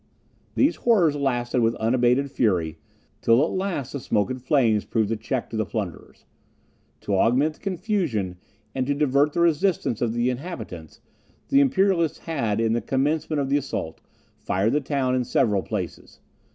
These horrors lasted with unabated fury, till at last the smoke and flames proved a check to the plunderers. To augment the confusion and to divert the resistance of the inhabitants, the Imperialists had, in the commencement of the assault, fired the town in several places.